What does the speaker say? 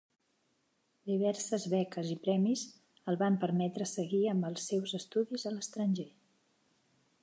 Diverses beques i premis el van permetre seguir amb els seus estudis a l'estranger.